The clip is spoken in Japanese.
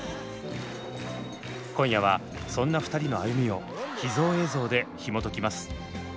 今夜はそんな２人の歩みを秘蔵映像でひもときます。